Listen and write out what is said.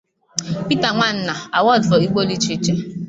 Pita Nwanna Award for Igbo Literature